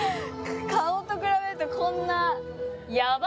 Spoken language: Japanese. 顔と比べるとこんなやば！